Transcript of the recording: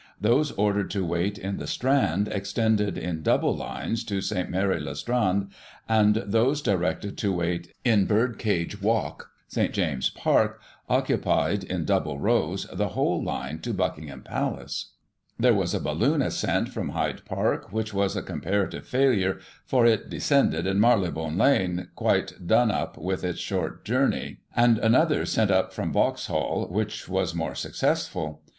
Those ordered to wait in the Strand extended, in double lines, to St. Mary le Strand, and those directed to wait in Bird Cage Walk, St James's Park, occupied (in double rows) the whole line to Buckingham Palace. There was a balloon ascent from Hyde Park, which was a comparative failure, for it descended in Marylebone Lane, quite done up with its short journey, and another sent up from Vauxhall, which was more successful.